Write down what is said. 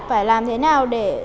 phải làm thế nào để